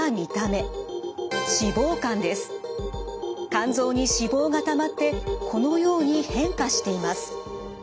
肝臓に脂肪がたまってこのように変化しています。